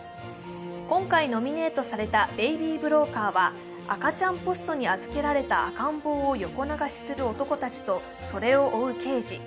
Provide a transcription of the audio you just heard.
今回ノミネートされた「ベイビー・ブローカー」は赤ちゃんポストに預けられた赤ん坊を横流しする男たちとそれを追う刑事。